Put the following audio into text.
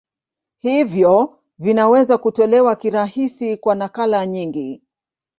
Hivyo vinaweza kutolewa kirahisi kwa nakala nyingi.